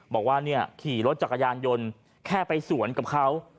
บอกว่าเนี่ยขี่รถจักรยานยนต์แค่ไปสวนกับเขา